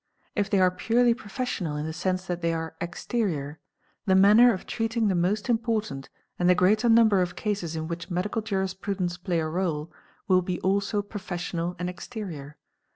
If they are purely rofessional in the sense that they are exterior, the manner of treating 1e most important and the greater number of cases in which medical I See atents play a réle will be also professional and exterior.